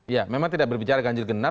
ya memang tidak berbicara ganjil genap